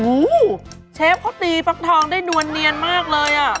อู้วเชฟเขาตีปลั๊กทองได้นวลเนียนมากเลย